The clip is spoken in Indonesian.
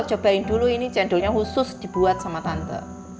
cobain dulu ini cendolnya khusus dibuat sama tante